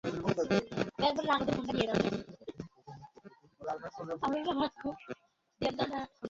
অথচ বর্তমান প্রজন্মের তথ্যপ্রযুক্তিভাবনা সেই গুগলে শুরু হয়ে গুগলেই শেষ হচ্ছে।